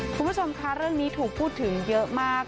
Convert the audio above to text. คุณผู้ชมค่ะเรื่องนี้ถูกพูดถึงเยอะมาก